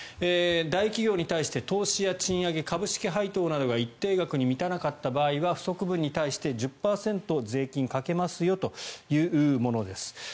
大企業に対して投資や賃上げ株式配当などが一定額に満たなかった場合は不足分に対して１０％、税金をかけますというものです。